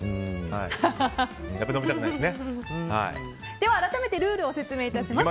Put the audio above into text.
では改めてルールを説明します。